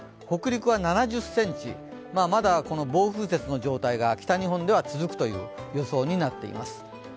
北陸は７０ｃｍ、まだ暴風雪の状態が北日本では続くという予想になっています。